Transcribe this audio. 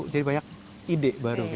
jadi banyak ide baru gitu